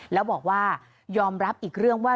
แล้วบอกว่ายอมรับอีกเรื่องว่า